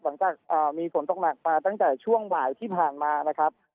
หลังจากมีฝนตกหนักมาตั้งแต่ช่วงบ่ายที่ผ่านมานะครับ